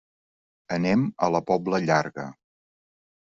Anem a la Pobla Llarga.